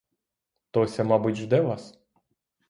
Тося, мабуть, жде вас?